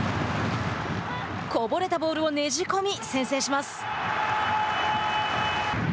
こぼれたボールをねじ込み先制します。